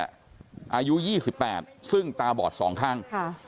อายุ๒๘ซึ่งตาบอด๒ข้าง